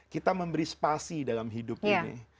kita memberi spasi dalam hidup ini